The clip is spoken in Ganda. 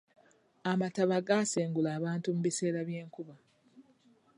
Amataba gaasengula abantu mu biseera by'enkuba.